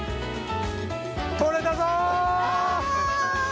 とれたぞ！